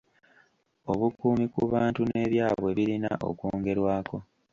Obukuumi ku bantu n'ebyabwe birina okwongerwako.